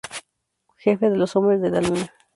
Jefe de los Hombres de la Luna.